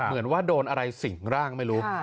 เหมือนว่าโดนอะไรสิ่งร่างไม่รู้